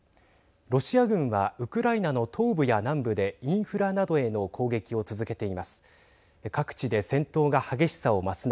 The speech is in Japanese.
ロシア軍はウクライナの東部や南部でインフラなどへの攻撃を続けています。